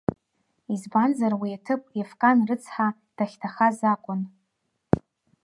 Избанзар уи аҭыԥ Ефкан рыцҳа дахьҭахаз акәын.